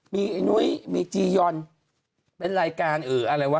มีไอ้นุ้ยมีจียอนเป็นรายการอะไรวะ